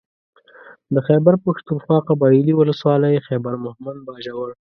د خېبر پښتونخوا قبايلي ولسوالۍ خېبر مهمند باجوړ